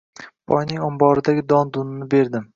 Boyning omboridagi don-dunni berdim